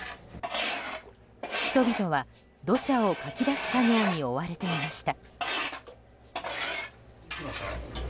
人々は、土砂をかき出す作業に追われていました。